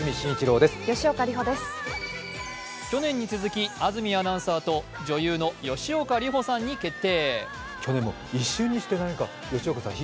去年に続き、安住アナウンサーと女優の吉岡里帆さんに決定。